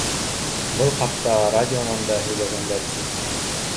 ? Был хаҡта радионан да һөйләгәндәр, ти.